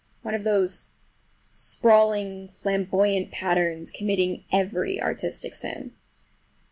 One of those sprawling flamboyant patterns committing every artistic sin.